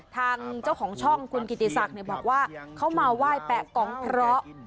ทางเจ้าของช่องคุณกิติศักดิ์บอกว่าเขามาไหว้แปะกองเพราะ